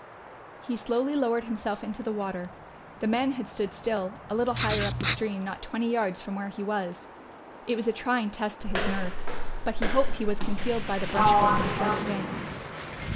He slowly lowered himself into the water. The men had stood still, a little higher up the stream, not twenty yards from where he was. It was a trying test to his nerves, but he hoped he was concealed by the brushwood on the flooded bank.